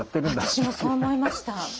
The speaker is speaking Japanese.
私もそう思いました。